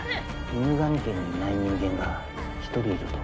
犬神家にいない人間が一人いると。